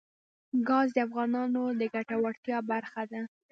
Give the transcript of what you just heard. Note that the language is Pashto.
ګاز د افغانانو د ګټورتیا برخه ده.